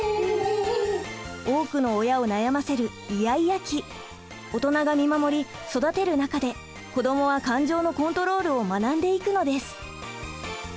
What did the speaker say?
多くの親を悩ませるイヤイヤ期大人が見守り育てる中で子どもは感情のコントロールを学んでいくのです。